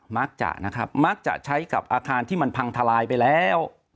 มักจะนะครับมักจะใช้กับอาคารที่มันพังทลายไปแล้ว